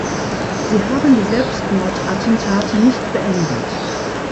Sie haben die Selbstmordattentate nicht beendet.